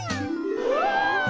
うわ！